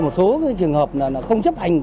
một số trường hợp là không chấp hành